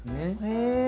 へえ。